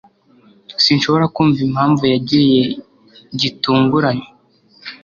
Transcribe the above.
Sinshobora kumva impamvu yagiye gitunguranye.